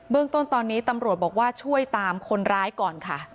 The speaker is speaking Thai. เรื่องต้นตอนนี้ตำรวจบอกว่าช่วยตามคนร้ายก่อนค่ะ